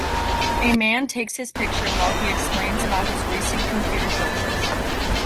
A man takes his picture while he explains about his recent computer purchase.